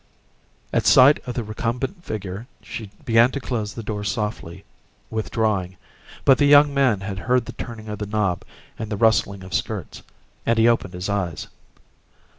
At sight of the recumbent figure she began to close the door softly, withdrawing, but the young man had heard the turning of the knob and the rustling of skirts, and he opened his eyes.